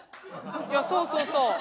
いやそうそうそう。